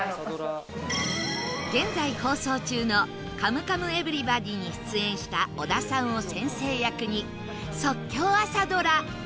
現在放送中の『カムカムエヴリバディ』に出演した小田さんを先生役に即興朝ドラ